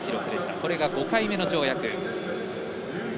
これが５回目の跳躍。